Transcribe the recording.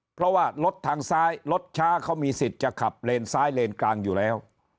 เพราะว่ารถทางซ้ายรถช้าเขามีสิทธิ์จะขับเลนซ้ายเลนกลางอยู่แล้ว